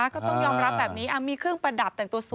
ก็ต้องยอมรับแบบนี้มีเครื่องประดับแต่งตัวสวย